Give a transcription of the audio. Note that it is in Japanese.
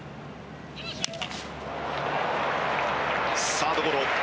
サードゴロ。